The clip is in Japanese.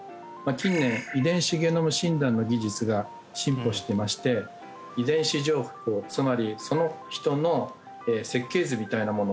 近年遺伝子ゲノム診断の技術が進歩してまして遺伝子情報つまりその人の設計図みたいなもの